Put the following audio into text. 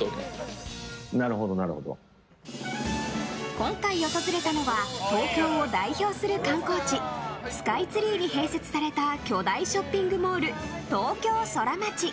今回、訪れたのは東京を代表する観光地スカイツリーに併設された巨大ショッピングモール東京ソラマチ。